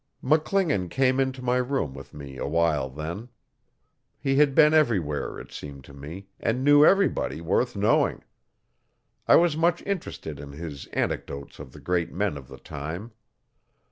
McClingan came into my room with me awhile then. He had been everywhere, it seemed to me, and knew everybody worth knowing. I was much interested in his anecdotes of the great men of the time.